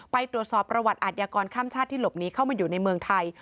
ไปตรวจสอบประวัติอาทยากรข้ามชาติที่หลบหนีเข้ามาอยู่ในเมืองไทย